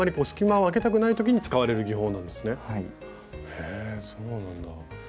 へえそうなんだ。